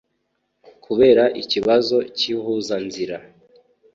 kubera ikibazo cy’ihuzanzira